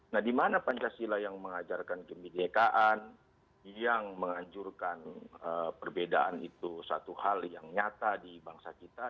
nah dimana pancasila yang mengajarkan kemerdekaan yang menganjurkan perbedaan itu satu hal yang nyata di bangsa kita